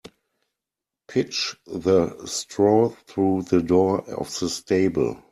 Pitch the straw through the door of the stable.